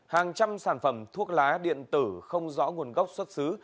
hàng trăm sản phẩm thuốc lá điện tử không rõ nguồn gốc xuất xứ